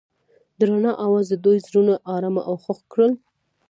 د رڼا اواز د دوی زړونه ارامه او خوښ کړل.